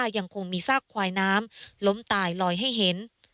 ยังคงมีซากควายน้ำล้มตายลอยให้เห็น